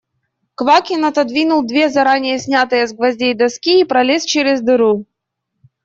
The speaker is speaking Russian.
Квакин отодвинул две заранее снятые с гвоздей доски и пролез через дыру.